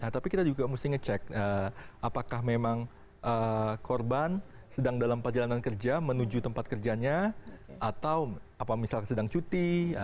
tapi kita juga mesti ngecek apakah memang korban sedang dalam perjalanan kerja menuju tempat kerjanya atau apa misalnya sedang cuti